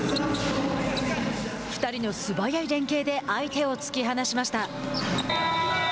２人の素早い連係で相手を突き放しました。